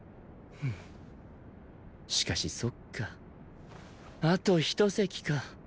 しかしそっかあと一席か。